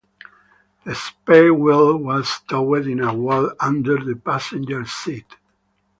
The spare wheel was stowed in a well under the passenger seat.